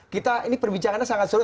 kita ini perbincangannya sangat sulit